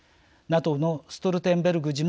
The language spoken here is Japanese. ＮＡＴＯのストルテンベルグ